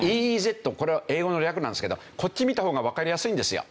ＥＥＺこれは英語の略なんですけどこっち見た方がわかりやすいんですよ。